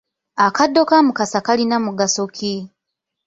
Akaddo ka Mukasa kalina mugaso ki?